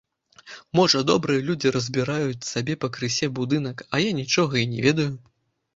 Можа, добрыя людзі разбіраюць сабе пакрысе будынак, а я нічога і не ведаю!